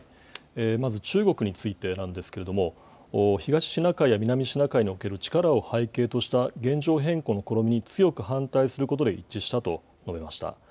まず中国についてなんですけれども、東シナ海や南シナ海における力を背景とした現状変更の試みに強く反対することで一致したと述べました。